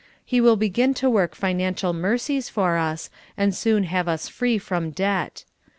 He will begin to work financial mercies for us, and soon have us free from debt.